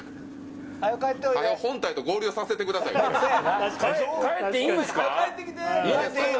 本隊と合流させてくださそやな。